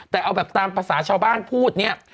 แต่เอาแบบตามภาษาชาวบ้านพูดเนี่ย